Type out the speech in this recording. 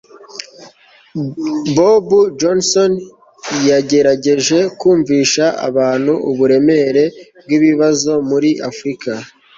Bob Johnson yagerageje kumvisha abantu uburemere bwibibazo muri Afrika